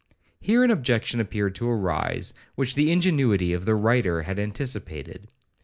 Here an objection appeared to arise, which the ingenuity of the writer had anticipated.